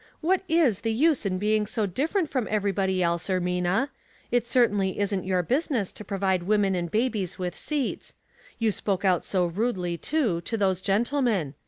*' What is the use in being so different from everybody else, Ermina. It certainly isn't your business to provide women and babies with seats. You spoke out so rudely, too, to those gentle men.